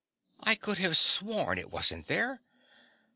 I could have sworn it wasn't there.